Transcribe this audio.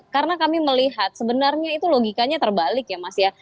karena kami melihat sebenarnya itu logikanya terbalik ya mas ya